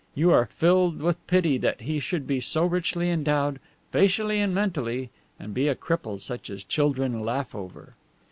You are filled with pity that he should be so richly endowed, facially and mentally, and to be a cripple such as children laugh over."